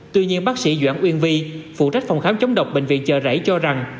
tuy nhiên bác sĩ doãn uyên vi phụ trách phòng khám chống độc bệnh viện chờ rảy cho rằng